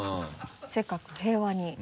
せっかく平和に。